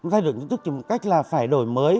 thay đổi nhận thức một cách là phải đổi mới